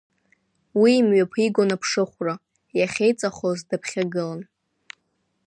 Уи имҩаԥигон аԥшыхәра, иахьеиҵахоз даԥхьагылан.